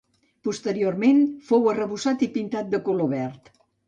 Posteriorment fou arrebossat i pintat de color verd.